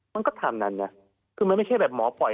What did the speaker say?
มันก็ทำนั่นคือมันไม่ใช่แบบหมอมอด่